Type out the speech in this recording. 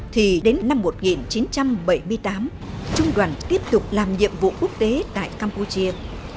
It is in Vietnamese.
thì đến năm một nghìn chín trăm bảy mươi tám trung đoàn tiếp tục làm nhiệm vụ quốc tế tại campuchia